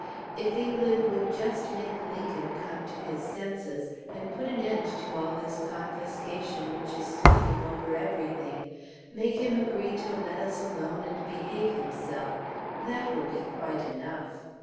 If England would just make Lincoln come to his senses, and put an end to all this confiscation which is sweeping over everything, make him agree to let us alone and behave himself, that will be quite enough.